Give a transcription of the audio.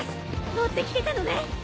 持って来てたのね。